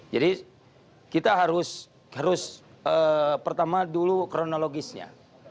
jadi kita harus pertama dulu kronologisnya